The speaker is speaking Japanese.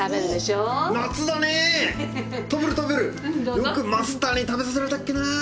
よくマスターに食べさせられたっけなぁ。